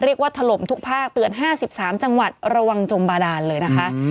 เรียกว่าถล่มทุกภาคเตือนห้าสิบสามจังหวัดระวังจมบาดาลเลยนะคะอืม